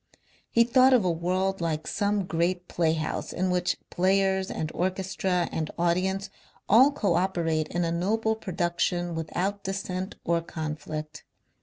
He thought of a world like some great playhouse in which players and orchestra and audience all co operate in a noble production without dissent or conflict.